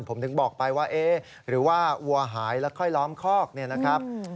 ผมถึงบอกไปว่าเอ๊ะหรือว่าวัวหายแล้วค่อยล้อมคอกเนี่ยนะครับ